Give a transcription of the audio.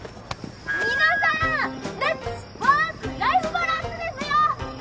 皆さんレッツワークライフバランスですよ。